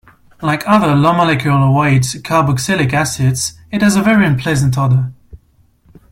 Like other low-molecular-weight carboxylic acids, it has a very unpleasant odor.